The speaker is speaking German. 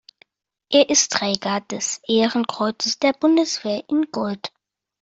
Er ist Träger des Ehrenkreuzes der Bundeswehr in Gold.